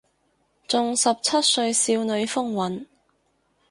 仲十七歲少女風韻